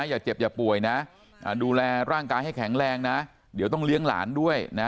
อย่าเจ็บอย่าป่วยนะดูแลร่างกายให้แข็งแรงนะเดี๋ยวต้องเลี้ยงหลานด้วยนะ